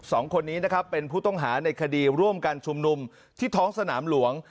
สองคนนี้นะครับเป็นผู้ต้องหาในคดีร่วมกันชุมนุมที่ท้องสนามหลวง